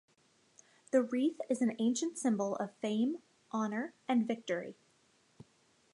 The wreath is an ancient symbol of fame, honor, and victory.